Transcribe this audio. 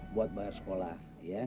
buat bayar sekolah